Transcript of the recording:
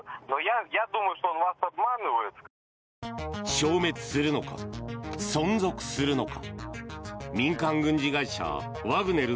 消滅するのか、存続するのか。